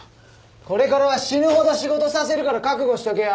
これからは死ぬほど仕事させるから覚悟しとけよ。